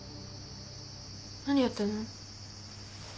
何やってんの？